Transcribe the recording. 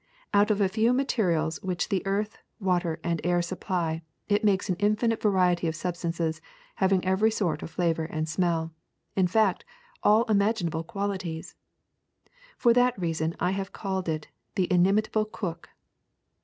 Out of a few materials which the earth, water, and air supply, it makes an infinite variety of substances having every sort of flavor and smell — in fact, all imaginable qualities. For that reason T have called it the inimitable cook.